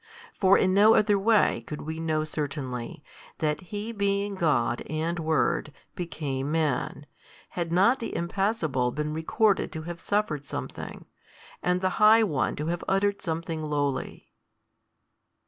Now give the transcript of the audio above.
For in no other way could we know certainly, that He being God and Word, became Man, had not the Impassible been recorded to have suffered something, and the High One to have uttered something lowly.